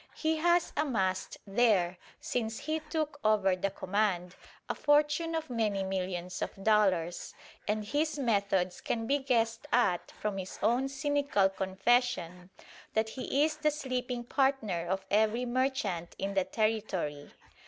He has amassed there since he took over the command a fortune of many millions of dollars, and his methods can be guessed at from his own cynical confession that he is "the sleeping partner of every merchant in the Territory."